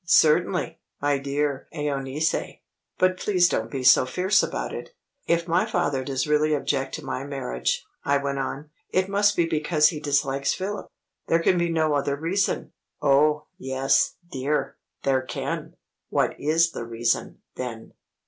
"Certainly, my dear Euneece. But please don't be so fierce about it." "If my father does really object to my marriage," I went on, "it must be because he dislikes Philip. There can be no other reason." "Oh, yes, dear there can." "What is the reason, then?"